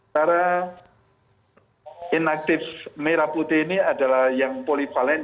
karena inaktif merah putih ini adalah yang polivalen